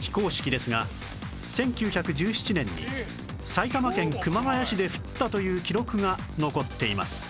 非公式ですが１９１７年に埼玉県熊谷市で降ったという記録が残っています